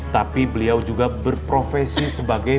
tapi beliau juga berprofesi sebagai